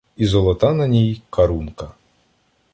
І золота на ній карунка